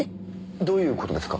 どういう事ですか？